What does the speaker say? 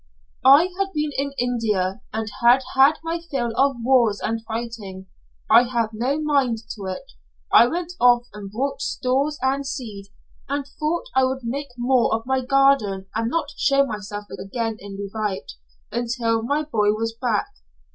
"I had been in India, and had had my fill of wars and fighting. I had no mind to it. I went off and bought stores and seed, and thought I would make more of my garden and not show myself again in Leauvite until my boy was back.